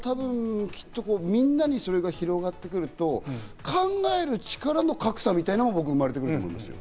みんなにそれが広がってくると、考える力の格差みたいなものが生まれてくると思います。